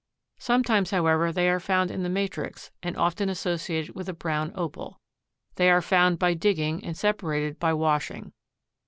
Sometimes, however, they are found in the matrix and often associated with a brown opal. They are found by digging and separated by washing.